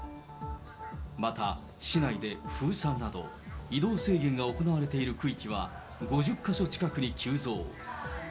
また、市内で封鎖など、移動制限が行われている区域は５０か所近くに急増。